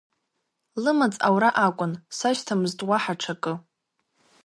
Лымаҵ аура акәын, сашьҭамызт уаҳа ҽакы.